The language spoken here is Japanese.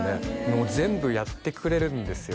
もう全部やってくれるんですよ